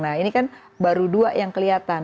nah ini kan baru dua yang kelihatan